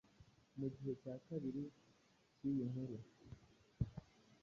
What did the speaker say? mu gihe cya kabiri cy’iyi nkuru